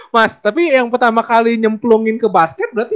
mas tapi yang pertama kali nyemplungin ke basket berarti